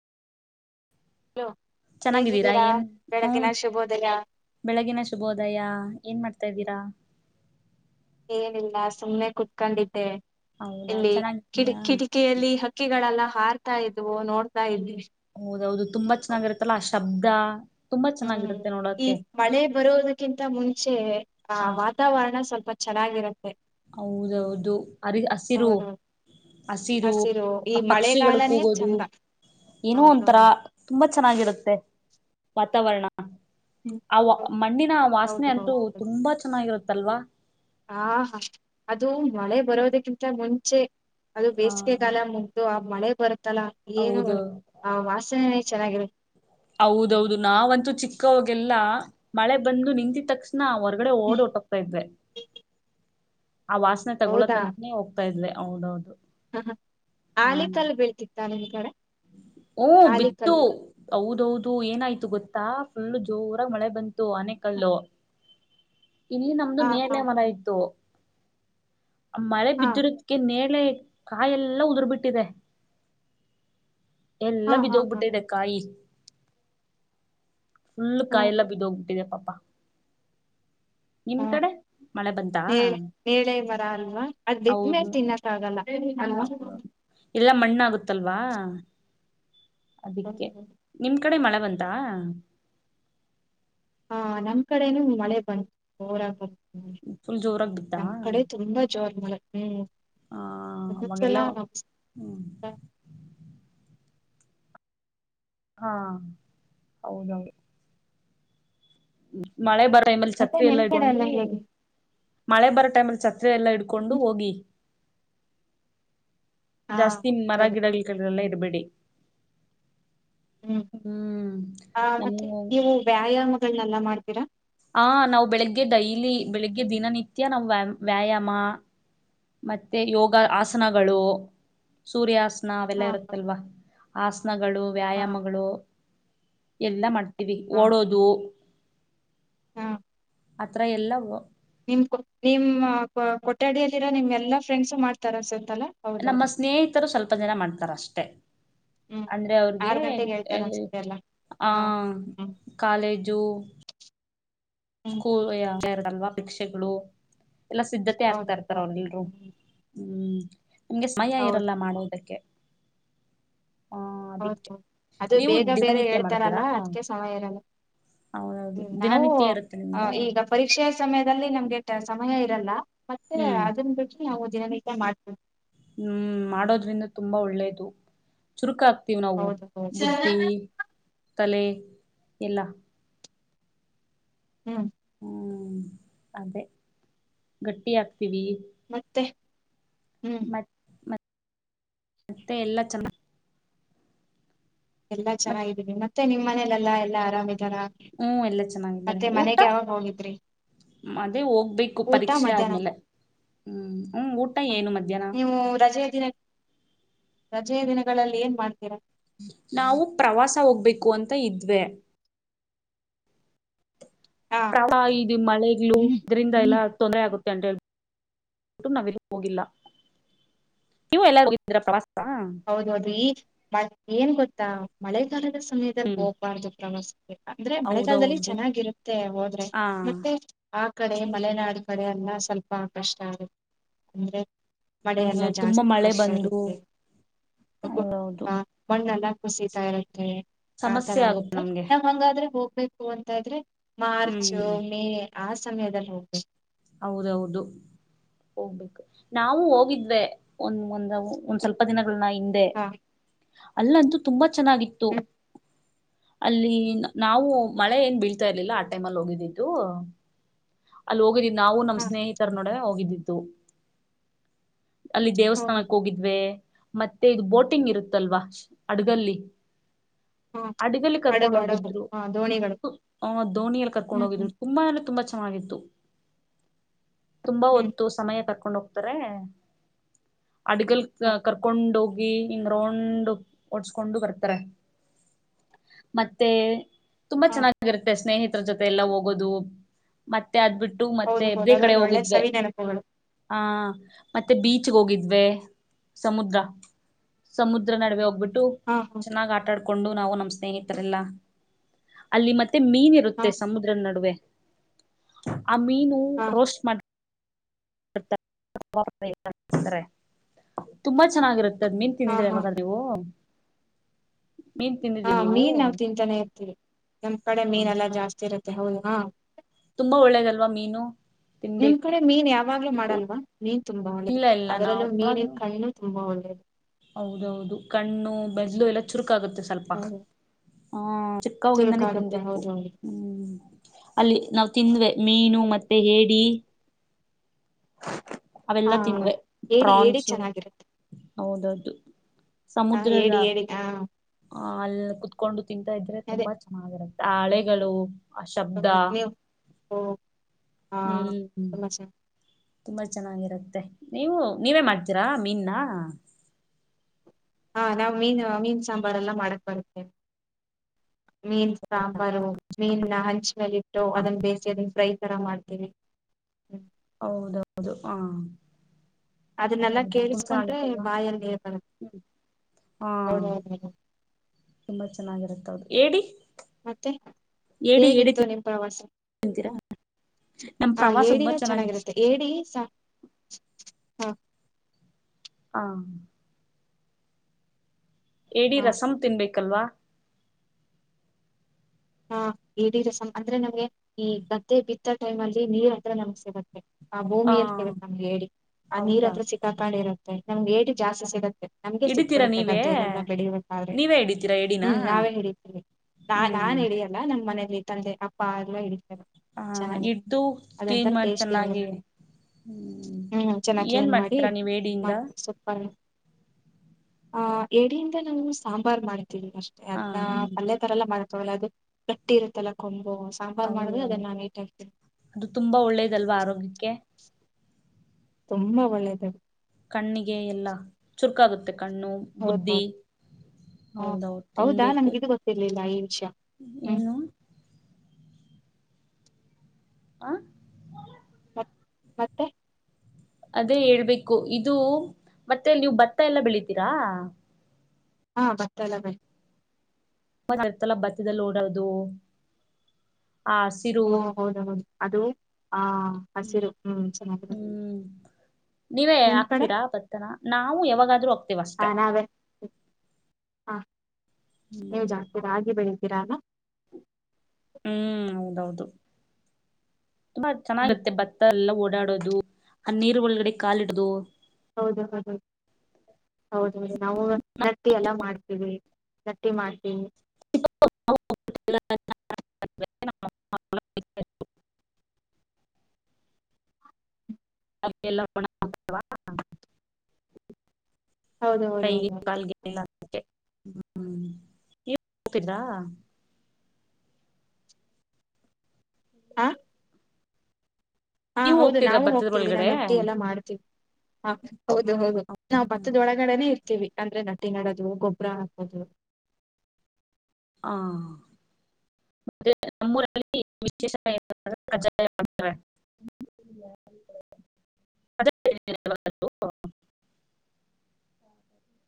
Hello, ಚೆನ್ನಾಗಿದ್ದೀರಾ ಹೇಗಿದ್ದೀರಾ ಏನ್ ಹ್ಮ್ ಬೆಳಗಿನ ಶುಭೋದಯ ಬೆಳಗಿನ ಶುಭೋದಯ ಏನ್ ಮಾಡ್ತ ತದಿರಾ, ಏನಿಲ್ಲ ಸುಮ್ಮನೆ ಕುತ್ಕೊಂಡಿದ ದೇ ಹೌದಾ ಇಲ್ಲಿ ಚೆನ್ನಾಗಿದ್ದೀರಾ ಕಿಟಕಿಯಲ್ಲಿ ಹಕ್ಕಿಗಳೆಲ್ಲ. ಹಾರ್ತ್ತಾ ಇದ್ವು ನೋಡ್ತಾ ಇದ್ವಿ. ಹೌದೌದು ತುಂಬಾ ಚೆನ್ನಾಗಿರುತ್ತಲ್ಲಾ ಆ ಶಬ್ದ ತುಂಬಾ ಹ್ಮ್ ಚೆನ್ನಾಗಿರುತ್ತೆ ಈ ನೋಡೋಕೆ ಮಳೆ ಬರುವುದಕ್ಕಿಂತ ಮುಂಚೆ ಆ ಹ ವಾತಾವರಣ ಸ್ವಲ್ಪ ಚೆನ್ನಾಗಿರುತ್ತೆ. ಹೌದೌದು ಅರಿ ಹಸಿರು ಹೌದು ಅಸಿರು ಹಸಿರು ಈ ಪ ಪಕ್ಷಿಗಳು ಮಳೆಗಾಲನೇ ಕೂಗೋದು. ಚಂದ ಏನೋ ಒಂಥರಾ ಹೌದೌದು ತುಂಬಾ ಚೆನ್ನಾಗಿರುತ್ತೆ. ವಾತಾವರಣ ಹ್ಮ್, ಆ ವ ಹೌದು ಮಣ್ಣಿನ ವಾಸನೆ ಹೌದು ಅಂತೂ ತುಂಬಾ ಚೆನ್ನಾಗಿರು ತ್ತಲ್ವಾ. ಹಾ ಹಾ ಅದು ಮಳೆ ಬರೋದಕ್ಕಿಂತ ಮುಂಚೆ ಅದು ಹ ಬೇಸಿಗೆಗಾಲ ಮುಗ್ದು ಆ ಮಳೆ ಬರುತ್ತಲ್ಲಾ ಏನು ಹೌದು ಆ ವಾಸನೆ ಚೆನ್ನಾಗಿರುತ ಹೌದೌದು ನಾವಂತೂ ಚಿಕ್ಕವಗೆಲ್ಲಾ ಮಳೆ ಬಂದು ನಿಂತಿದ ತಕ್ಷಣ ನಾ ಹೊರ್ಗಡೆ ಓಡಿ ಹ್ಮ್ ಹೊಟೋಗ್ತಾ ಇದ್ದೆ. ಆ ವಾಸನೆ ತೋಗೊಳೋಕಂತ್ನೆ ಹೋಗ್ತಾ ಇದೆ ಹೌದೌದ. ಹಾ ಆಲಿಕಲ್ ಬೀಳತಿತ್ತಾ ನಿಮ್ ಕಡೆ. ಹ್ಮ್ ಬಿತ್ತು ಆಲಿಕಲ್ಲು ಹೌದೌದು. ಹೌದು ಏನಾಯ್ತು ಗೊತ್ತಾ ಫುಲ್ಲು ಜೋರಾಗ ಮಳೆ ಬಂತು ಆನೇಕಲ್ಲು. ಇಲ್ಲಿ ನಮ್ದು ಹಾ ಹಾ ನೇರಳೆ ಮರ ಇತ್ತು. ಮಳೆ ಹಾ ಬಿದ್ದಿರೋದಕ್ಕೆ ನೇರಳೆ ಕಾಯೆಲ್ಲ ಉದುರ್ಬಿಟ್ಟಿದೆ. ಎಲ್ಲ ಹಾ ಹಾ ಹಾ ಬಿದೋಗ್ಬಿಟ್ಟದೆ ಕಾಯಿ. ಫುಲ್ ಹ್ಮ್ ಕಾಯೆಲ್ಲ ಬಿದ್ದೋಗ್ಬಿಟ್ಟಿದೆ ಪಾಪಾ. ನಿಮ್ ಹ್ಮ್ ಕಡೆ ಮಳೆ ಬಂತಾ ನೇರಳೆ ನೇರಳೆ ಮರ ಅಲ್ವಾ ಅದ್ ಇದ್ಮೇಲೆ ಹೌದು. ತಿನ್ನಕ್ ಆಗಲ್ಲ ಅಲ್ವಾ ಹೌದದ ಇಲ್ಲಾ ಮಣ್ಣ ಆಗುತ್ತಲ್ವಾ. ಹ್ಮ್, ಅದಿಕ್ಕೆ ಹ್ಮ್. ನಿಮ್ ಕಡೆ ಮಳೆ ಬಂತಾ. ಹಾ ನಮ್ ಕಡೆನೂ ಮಳೆ ಬಂತೂ ಜೋರಾಗಿ ಬಂತು. ಜೋರಾಗಿ ಬಿತ್ತಾ ನಮ್ ಕಡೆ ತುಂಬಾ ಜೋರ ಮಳೆ ಹ್ಮ್. ಆ ಇನೊಂದು ಸಲ ಅವಾಗೆಲ್ಲಾ ಹ್ಮ್ [unintelligible] ಹಾ ಹೌದೌದು. ಮಳೆ ಬರೋ ಟೈಮಲ್ಲಿ ಮತ್ತೆ ಛತ್ರಿಯಲ್ಲ ನಿಮ್ ಕಡೆ ಹಿಡಕೊಂಡು ಎಲ್ಲ ಹೇಗೆ ಮಳೆ ಬರೋ ಟೈಮಲ್ಲಿ ಛತ್ರಿಯಲ್ಲ ಇಡ್ಕೊಂಡು ಹೋಗಿ. ಹಾ ಜಾಸ್ತಿ ಮರ ಸರಿ ಗಿಡಗಳಿಗಳಲ್ಲ ಇರಬೇಡಿ. ಹ್ಮ್ ಆ ಮತ್ತೆ ನಮ್ಮು ನೀವು ವ್ಯಾಯಾಮಗಳನೆಲ್ಲ ಮಾಡ್ತೀರಾ. ಹ ನಾವ್ ಬೆಳಿಗ್ಗೆ ಡೈಲಿ ಬೆಳಿಗ್ಗೆ ದಿನನಿತ್ಯ ನಾವ್ ವ್ಯಾಮ್ ವ್ಯಾಯಾಮ ಮತ್ತೆ ಯೋಗ ಆಸನಗಳು ಸೂರ್ಯಾಸ್ ನಾವೆಲ್ಲ ಹಾ ಹಾ ಇರುತ್ತಲ್ವಾ ಆಸನಗಳು ಹಾ ವ್ಯಾಯಾಮಗಳು ಎಲ್ಲ ಮಾಡ್ತೀವ ಹಾ ಓಡೋದು ಹಾ ಅತ್ರಾಯಲ್ಲ ವೂ ನಿಮ್ ಕೊ ನಿಮ್ ಕೊ ಕೊ ಕೊಠಡಿಯಲ್ಲಿರೋ ನಿಮ್ ಎಲ್ಲಾ ಫ್ರೆಂಡ್ಸು ಮಾಡ್ತಾರ ಸರ್. ನಮ್ಮ ಸ್ನೇಹಿತರು ಸ್ವಲ್ಪ ಜನ ಮಾಡ್ತಾರ ಅಷ್ಟೆ. ಹ್ಮ್ ಅಂದ್ರೆ ಅವ್ರಿಗೆ ಆರ್ ಗಂಟೆಗೆ ಯ ಹೇಳ್ತಾರ ಯ ಅನ್ಸುತ್ತೆ ಎಲ್ಲ ಆ ಹಾ ಹ್ಮ್ ಕಾಲೇಜು ಹ್ಮ್ ಸ್ಕೂಲ್ [unintelligible] ಭಿಕ್ಷೆಗಳು. ಎಲ್ಲ ಸಿದ್ಧತೆ ಆಗ್ತಾ ಹೌದೌದು ಇರ್ತಾರ ಹೌದು ಅವರ್ ಎಲ್ರು ಹ್ಮ್ ಹ್ಮ್ ನಿಮ್ಗೆ ಸಮಯ ಹೌದು ಇರಲ್ಲ ಮಾಡುವದಕ್ಕೆ. ಹಾ ಹೌದು ಅದಿಕ್ಕೆ ಹೌದು ಅದು ನೀವು ಬೇಗ ಬೇರೆ ದಿನನಿತ್ಯ ಹೇಳ್ತಾರಲ್ಲ ಮಾಡ್ತೀರಾ. ಅದಕ್ಕೆ ಸಮಯ ಇರಲ್ಲ ಹೌದೌದು ದಿನನಿತ್ಯ ಇರುತ್ತೆ ನಿಮ ಆ ಈಗ ಪರೀಕ್ಷೆಯ ಸಮಯದಲ್ಲಿ ನಮ್ಗೆ ಟೈ ಸಮಯ ಇರಲ್ಲ ಮತ್ತೆ ಹ್ಮ್ ಅದನ್ನ ಬಿಟ್ಟು ನಾವು ದಿನನಿತ್ಯ ಮಾಡ್ತೀವಿ. ಹ್ಮ್ ಮಾಡೋದ್ರಿಂದ ತುಂಬಾ ಒಳ್ಳೇಯದು ಚುರುಕಾಗ ತಿ ನಾವು ಹೌದು ಹೌದು ಬುದ್ಧಿ ತಲೆ ಎಲ್ಲ. ಹ್ಮ. ಹ್ಮ ಅದೇ ಗಟ್ಟಿ ಆಗ್ತಿದಿ ಈ ಹ್ಮ. ಮತ್ತೆ ಎಲ್ಲ ಚೆನ್ನ ಎಲ್ಲಾ ಮತ್ ಚೆನ್ನಾಗಿದ್ದೀನಿ ಮತ್ತೆ ನಿಮ್ಮ ಮನೇಲೆಲ್ಲ ಎಲ್ಲಾ ಎಲ್ಲಾ ಆರಾಮ ರ ಹ್ಮ್ ಎಲ್ಲಾ ಚೆನ್ನಾಗಿದ್ದಾರೆ ಮತ್ತೆ ಊಟ ಮನೆಗ ಯಾವಾಗ ಹೋಗಿದ್ರಿ. ಅದೇ ಹೋಗ್ಬೇಕು ಊಟ ಪರೀಕ್ಷೆ ಆದ್ಮೇಲೆ ಹ್ಮ. ಹ ನೀವು ರಜೆಯ ದಿನ ರಜೆಯ ದಿನಗಳಲ್ಲಿ ಏನ್ ಮಾಡ್ತೀರಾ. ನಾವು ಪ್ರವಾಸ ಹೋಗ್ಬೇಕು ಅಂತ ಇದ್ವೆ. ಹಾ ಪ್ರ ಇದು ಮಳೆಗ್ಗಳು ಇದ್ರಿಂದ ಎಲ್ಲಾ ತೊಂದರೆ ಆಗು ಡ ನಾವ ಎಲ್ಲೂ ಹೋಗಿಲ್ಲ ನೀವು [unintelligible] ಎಲ್ಲ ಪ್ರವಾಸ. ಹೌದರಿ ಮ ಏನ್ ಗೊತ್ತಾ ಮಳೆಗಾಲದ ಸಮಯದಲ್ಲಿ ಹ್ಮ್ ಹೋಗ್ಬಾರ್ದು ಪ್ರವಾಸ. ಅಂದ್ರೆ ಮಳೆಗಾಲದಲ್ಲಿ ಹೌದೌದು ಚೆನ್ನಾಗಿರುತ್ತೆ ಹೋದ್ರೆ ಹ ಮತ್ತೆ ಆ ಕಡೆ ಮಲೆನಾಡು ಕಡೆ ಎಲ್ಲ ಸ್ವಲ್ಪ ಕಷ್ಟ ಆಗ ಅಂದ್ರೆ ಮಳೆಲ್ಲಾ ಹೌದೌದು ತುಂಬಾ ಜಾಸ್ತಿ ಮಳೆ ವರ್ಷ ಬಂದು ಇರತ್ತೆ. ಹೌದೌದು [unintelligible] ಮಣ್ಣೆಲ್ಲ ಕುಸಿತಾ ಇರತ್ತೆ. ಆತರ ಸಮಸ್ಯೆ ಆಗುತ್ತೆ ಆಗತ್ತೆ ನಮ್ಗೆ ನಾವ್ ಹಂಗಾದ್ರೆ ಹೋಗ್ಬೇಕು ಅಂತ ಆದ್ರೆ ಮಾರ್ಚ್ ಹ್ಮ್ ಮೇ ಆ ಸಮಯದಲ್ಲಿ ಹೋಗ್ಬೇಕ. ಹೌದ ಹೌದು. ಹೋಗ್ಬೇಕು ನಾವು ಹೋಗಿದ್ವೆ ಒಂದ್ ಒಂದ ಒಂದ್ ಸ್ವಲ್ಪ ದಿನ ಹಿಂದೆ ಹಾ ಅಲ್ಲಂತೂ ತುಂಬಾ ಚೆನ್ನಾಗಿತ್ತು. ಹ್ಮ್ ಅಲ್ಲಿ ನಾವು ಮಳೆ ಏನ್ ಬೀಳ್ತಾ ಇರ್ಲಿಲ್ಲ ಆ ಟೈಮಲ್ಲಿ ಹೋಗಿದಿದ್ದು. ಅಲ್ಲಿ ಹೋಗಿದ್ದೀದ ನಾವು ನಮ್ಮ ಸ್ನೇಹಿತರ ನೊಡ ಹೋಗಿದ್ದಿದ್ದು. ಅಲ್ಲಿ ಹಾ ಹ ದೇವಸ್ಥಾನಕ್ಕ ಹೋಗಿದ್ವೆ ಮತ್ತೆ ಇದ ಬೋಟಿಂಗ್ ಇರುತ್ತಲ್ವಾ ಅಡ್ಗಲ್ಲಿ ಹ ಅಡಗಲ್ಲಿ ಹಡಗು ಕರ್ಕೊಂಡ ಹಡಗು ಹೋಗಿದ್ರು. ಹ ದೋಣಿಗಳು ಆ ಧೋನಿಯಲ್ಲಿ ಕರ್ಕೊಂಡು ಹ್ಮ್ ಹೋಗಿದ್ರು ಹ್ಮ್ ತುಂಬಾ ಅಂದ್ರೆ ತುಂಬಾ ಚೆನ್ನಾಗಿತ್ತು. ತುಂಬಾ ಹ್ಮ್ ಹೊತ್ತು ಸಮಯ ಕರ್ಕೊಂಡ ಹೋಗ್ತಾರೆ. ಅಡ್ಗಲ್ ಕರ್ಕೊಂಡ ಹೋಗ ಎ ಹಿಂಗ ರೌಂಡ್ ಓಡ್ಸ್ಕೊಂಡು ಬರ್ತಾರೆ ಮತ್ತೆ ತುಂಬಾ ಹ ಚೆನ್ನಾಗಿರತ್ತೆ ಸ್ನೇಹಿತರ ಜೊತೆ ಎಲ್ಲ ಹೋಗೋದು ಮತ್ತೆ ಅದ್ಬಿಟ್ಟು. ಮೆ ಹೌದು ಹೌದು ಎಬ್ಬೆ ಕಡೆ ಅದೊಂದು ಒಳ್ಳೆ ಹೋಗಿದ್ವೆ ಸವಿ ನೆನಪುಗಳು ಹ. ಮತ್ತೆ ಬೀಚ್ಗೆ ಹೋಗಿದ್ವೆ ಸಮುದ್ರ ಸಮುದ್ರ ನಡುವೆ ಹೋಗ್ಬಿಟ್ಟ ಹಾ ಹ ಚೆನ್ನಾಗ ಆಟಾಡ್ಕೊಂಡು ನಾವು ನಮ್ಮ ಸ್ನೇಹಿತರೆಲ್ಲ ಅಲ್ಲಿ ಮತ್ ಮತ್ತೆ ಮೀನ ಹಾ ಇರುತ್ತೆ ಸಮುದ್ರದ ನಡುವೆ ಆ ಮೀನು ಹಾ ರೋಸ್ಟ್ ಮಾಡ [unintelligible] ತುಂಬಾ ಚೆನ್ನಾಗಿರ ದ ಮೀನ್ ಹಾ ತಿಂದಿದಿರಾ ಹಾ ಯಾವಾಗ ನೀವು ಮೀನ್ ಹಾ ತಿಂದಿದಿರಾ ನೀವು? ಮೀನ ನಾವ ತಿಂತಾನೆ ಇರ್ತೀವಿ ನಮ್ ಕಡೆ ಮೀನ್ ಎಲ್ಲಾ ಜಾಸ್ತಿ ಇರುತ್ತೆ ಹೌದು ಹಾ. ತುಂಬಾ ಒಳ್ಳೇದಲ್ವಾ ಮೀನು ನಿಮ್ ತಿನ್ಬೇಕು. ಕಡೆ ಮೀನ್ ಯಾವಾಗ್ಲೂ ಮಾಡಲ್ವಾ ಮೀನ್ ತುಂಬಾ ಒಳ್ಳೇದು ಇಲ್ಲ ಇಲ್ಲ ಅದರಲ್ಲೂ ನಾವ್ ಅವಾಗ. ಮೀನಿನ ಕಣ್ಣು ತುಂಬಾ ಒಳ್ಳೇದು. ಹೌದೌದು ಕಣ್ಣು ಬೆಜ್ಲು ಎಲ್ಲ ಚುರಕ ಆಗುತ್ತೆ ಸ್ವಲ್ಪ ಹೌದು ಹ ಚಿಕ್ಕ ವಾಗಿಂದಾನೇ ಚುರುಕಾಗುತ್ತೆ ತಿನ್ಬೇಕು ಹೌದು ಹೌದು ಹ್ಮ ಅಲ್ಲಿ ನಾವ ತಿಂದ್ವೇ ಮೀನು ಮತ್ತೆ ಹೇಡಿ ಅವೆಲ್ಲ ಹಾ ತಿಂದ್ವೇ ಏಡಿ ಏಡಿ ಪ್ರಾನ್ಸು ಚೆನ್ನಾಗಿರುತ್ತೆ ಹೌದ ಹೌದು. ಹಾ ಏಡಿ ಏಡಿ ಹ್ಞಾ. ಆ ಅಲ್ಲಿ ಕುತ್ಕೊಂಡು ತಿಂತಾ ಇದ್ರೆ ತುಂಬಾ ಚೆನ್ನಾಗಿರುತ್ತೆ ಆ ಹಳೆಗಳು ಆ ಶಬ್ದ ತುಂಬಾ ನೀವು ಹಾ ಹ್ಮ. ತುಂಬಾ ಚೆನ್ನಾಗಿ ತುಂಬಾ ಚೆನ್ನಾಗಿರತ್ತೆ ನೀವು ನೀವೇ ಮಾಡ್ತೀರಾ ಮೀನನಾ ಹಾ ನಾವ್ ಮೀನ್ ಮೀನ್ ಸಾಂಬಾರ ಎಲ್ಲ ಮಾಡಕ ಬರತ್ತೆ. ಮೀನ ಸಾಂಬಾರು ಮೀನನ ಹಂಚ ಮೇಲೆ ಇಟ್ಟು ಅದನ್ನ ಬೇಸ ಅದನ್ ಫ್ರೈ ತರ ಮಾಡ್ತೀವಿ ಹ್ಮ. ಹೌದೌದು ಹಾ ಅದನ್ನೆಲ್ಲ ಹೌದು ತುಂಬಾ ಕೇಳಿಸ್ಕೊಂಡ್ರೆ ಚೆನ್ನಾಗಿರುತ್ತಲ್ವಾ ಬಾಯಲ್ ನೀರ್ ಬರುತ್ತೆ ಹಾ ಹೌದು [inaudible] ತುಂಬಾ ಚೆನ್ನಾಗಿರತ್ತವು, ಏಡಿ ಮತ್ತೆ ಏಡಿ ಏಡಿ ಹೇಗಿತ್ತು ನಿಮ್ ಪ್ರವಾಸ ತಿಂತೀರಾ ನಮ್ ಹಾ ಪ್ರವಾಸ ತುಂಬಾ ಏಡಿನೂ ಚೆನ್ನಾಗಿತ್ತು ಚೆನ್ನಾಗಿರುತ್ತೆ ಏಡಿ ಹಾ ಹಾ ಏಡಿ ಹಾ ರಸಂ ತಿನ್ಬೇಕಲ್ವಾ ಹ ಏಡಿ ರಸಂ ಅಂದ್ರೆ ನಮ್ಗೆ ಈ ಗದ್ದೆ ಬಿತ್ತೊ ಟೈಮಲ್ಲಿ ನೀರ್ ಹತ್ರ ನಮ್ಗ್ ಸಿಗತ್ತೆ ಆ ಭೂಮಿಯಲ್ ಸಿಗತ್ ನಮ್ಗೆ ಏಡಿ, ಆ ನೀರ್ ಹೌದಾ ಹತ್ರ ಸಿಕ್ಕಾಕಂಡ್ ಇರುತ್ತೆ ನಮ್ಗೆ ಏಡಿ ಜಾಸ್ತಿ ಸಿಗತ್ತೆ ನಮ್ಗೆ ಹಿಡಿತೀರಾ ಸಿಕ್ಬಿಡುತ್ತೆ ನೀವೇ ಗದ್ದೆಯಲ್ಲೆಲ್ಲ ಬೆಳಿಬೇಕಾದ್ರೆ, ನೀವೇ ಹಿಡಿತೀರಾ ಏಡಿನ ಹ್ಮ್ ನಾವೇ ಹಿಡಿತೀವಿ ನಾ ಹ್ಮ್ ನಾನ್ ಇಡಿಯಲ್ಲ ನಮ್ ಮನೇಲಿ ತಂದೆ, ಅಪ್ಪ ಅಗ್ಲಿ ಹಾ ಇಡ್ದು ಕ್ಲೀನ್ ಮಾಡ್ ಟೇಸ್ಟಿ ಆಗಿ ಚೆನ್ನಾಗಿ ಹ್ಮ್ ಹ್ಮ್ ಚೆನ್ನಾಗಿ ಏನ್ ಕ್ಲೀನ್ ಮಾಡಿ ಮಾಡ್ತೀರಾ ನೀವ್ ಏಡಿಯಿಂದ ಮಾಡ್ತೀವಿ ಅಹ್ ಏಡಿಯಿಂದ ನಾವು ಸಾಂಬಾರ್ ಮಾಡ್ತೀವಿ ಅಷ್ಟೇ ಆ ಅದ್ನ ಪಲ್ಯ ತರ ಎಲ್ಲ ಮಾಡಕ್ಕಾಗಲ್ಲ ಅದ್ ಗಟ್ಟಿ ಇರುತ್ತಲ್ಲ ಕೊ ಅದು ಸಾಂಬಾರ್ ಮಾಡ್ದ್ರೆ ಹೌದಾ ಅದನ್ನಾ ನೀಟಗ್ ತೆಗ್ದು ಅದು ತುಂಬಾ ಒಳ್ಳೇದಲ್ವಾ ಆರೋಗ್ಯಕ್ಕೆ ತುಂಬಾ ಒಳ್ಳೇದದು ಕಣ್ಣಿಗೆ ಎಲ್ಲ ಚುರ್ಕಾಗುತ್ತೆ ಕಣ್ಣು, ಬುದ್ಧಿ ಹೌದೌದು ಹ ಹೌದೌದು, ಹೌದಾ ತಿನ್ಬೇಕು ನಮ್ಗೆ ಇದು ಗೊತ್ತಿರ್ಲಿಲ್ಲ ಈ ವಿಷಯ ಹ್ಮ್ ಏನು ಆಹ್ ಮತ್ ಮತ್ತೆ ಅದೇ ಹೇಳ್ಬೇಕು, ಇದು ಮತ್ತೆ ನೀವು ಭತ್ತ ಎಲ್ಲ ಬೆಳಿತೀರಾ ಹಾ ಭತ್ತ ಎಲ್ಲ ಬೆಳಿತೀವಿ [unintelligible] ಬತ್ತದಲ್ ಓಡೋದು ಹು ಹೌದು ಹೌದು, ಅದು ಆ ಹಸಿರು ಹ್ಮ್ ಚೆನ್ನಾಗಿದೆ ಹ್ಮ್ ನೀವೇ ನಿಮ್ ಕಡೆ ಆಕ್ತೀರಾ ಭತ್ತನ, ನಾವು ಯಾವಾಗಾದ್ರೂ ಹಾಕ್ತಿವ್ ಹ ಅಷ್ಟೆ ನಾವೇ ಹ ನೀವು ಜಾಸ್ತಿ ರಾಗಿ ಬೆಳತೀರಾ ಅಲ್ಲ ಹ್ಮ್ ಹೌದೌದು ತುಂಬಾ ಹ್ಮ್ ಚೆನ್ನಾಗಿರುತ್ತೆ ಭತ್ತ ಎಲ್ಲ ಓಡಾಡೋದು, ಆ ನೀರ್ ಒಳಗಡೆ ಕಾಲಿಡದು ಹೌದು ಹೌದು ಹೌದೌದು ನಾವು ರಟ್ಟಿ ಎಲ್ಲ ಮಾಡ್ತೀವಿ ಮಾಡ್ತೀವಿ [unintelligible] [unintelligible] [unintelligible] ಹೌದು ಹೌದು ಕೈ ಗೆ ಹೌದು ಕಾಲ್ಗೆ ಎಲ್ಲ ಹ್ಮ್ ನೀವ್ [unintelligible] ಆಹ್ ಹಾ ನೀವು ಹೌದು ಹೋಗ್ತಿದ್ರಾ ನಾವು ಭತ್ತದ ಹೋಗ್ತೀವಿ, ಒಳಗಡೆ? ರನಟ್ಟಿ ಎಲ್ಲಾ ಮಾಡ್ತೀವಿ ಹ ಹೌದು ಹೌದು ನಾವ್ ಭತ್ತದ್ ಒಳಗಡೆನೆೇ ತಿವಿ ಅಂದ್ರೆ ನಟ್ಟಿ ನಡೋದು ಗೊಬ್ರ ಹಾಕೋದು ಹಾ ಅದೆ ನಮ್ಮೂರಲ್ಲಿ ವಿಶೇಷ [unintelligible] ಮಾಡ್ತಾರೆ [unintelligible] [inaudible]